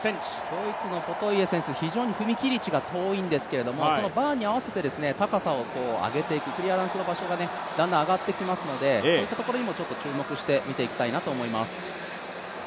ドイツのポトイエ選手、非常に高いんですけれどもそのバーに合わせて高さを上げていく、クリアランスの場所がだんだん上がっていきますので、そういうところにも注目して見ていきたいなと思います。